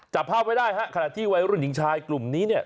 จับภาพไว้ได้ฮะขณะที่วัยรุ่นหญิงชายกลุ่มนี้เนี่ย